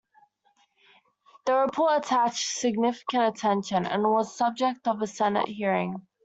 The report attracted significant attention, and was the subject of a Senate hearing.